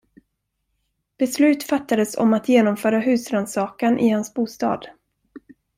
Beslut fattades om att genomföra husrannsakan i hans bostad.